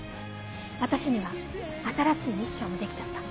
私には新しいミッションもできちゃった。